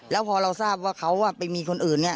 แล้วพอเราทราบว่าเขาไปมีคนอื่นเนี่ย